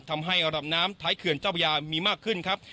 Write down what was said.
ทำให้ระดับน้ำท้ายเขื่อนเจ้าพระยามีมากขึ้นครับ